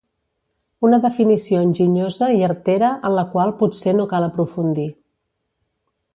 Una definició enginyosa i artera en la qual potser no cal aprofundir.